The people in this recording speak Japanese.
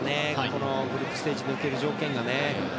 このグループステージを抜ける条件がね。